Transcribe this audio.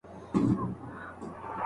ډاکټره اوږده پاڼه ړنګه نه کړه.